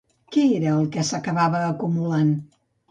Què era el que s'acabava acumulant?